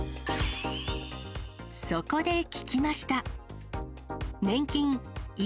そこで聞きました。